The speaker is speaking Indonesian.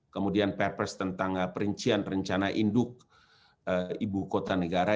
kemudian perpres tentang perincian rencana induk ibu kota negara